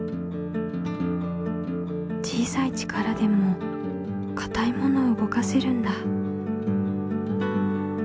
小さい力でもかたいものをうごかせるんだ。